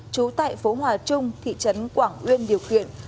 trú tại phố hòa trung thị trấn quảng uyên điều kiện